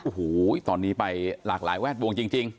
โอ้โหตอนนี้ไปหลากหลายแวดวงจริง